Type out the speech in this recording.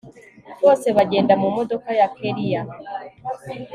bose bagenda mumodoka ya kellia